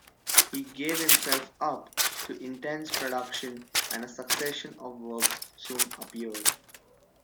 He gave himself up to intense production, and a succession of works soon appeared.